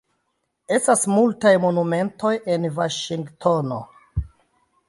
Estas multaj monumentoj en Vaŝingtono.